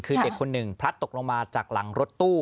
คือเด็กคนหนึ่งพลัดตกลงมาจากหลังรถตู้